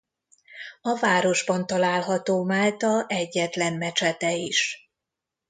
A városban található Málta egyetlen mecsete is.